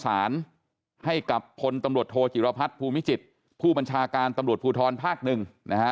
สารให้กับพลตำรวจโทจิรพัฒน์ภูมิจิตผู้บัญชาการตำรวจภูทรภาคหนึ่งนะฮะ